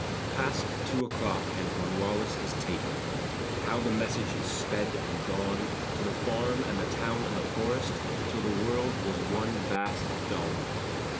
"Past two o'clock and Cornwallis is taken." How the message is sped and gone To the farm and the town and the forest Till the world was one vast dawn!